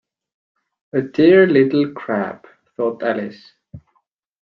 ‘A dear little crab!’ thought Alice.